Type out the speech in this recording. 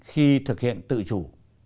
khi thực hiện tự chủ